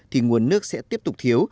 thì nguồn nước sẽ tiếp tục thiếu